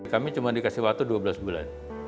kami cuma dikasih waktu dua belas bulan